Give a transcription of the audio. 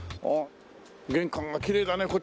あっ玄関がきれいだね